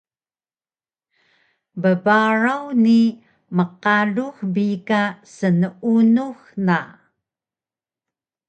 Bbaraw ni mqalux bi ka sneunux na